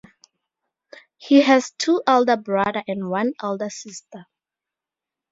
He has two elder brother and one elder sister.